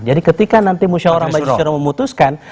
jadi ketika nanti musyawarah majisoro memutuskan